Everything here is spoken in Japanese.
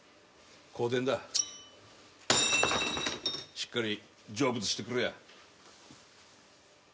しっかり成仏してくれや。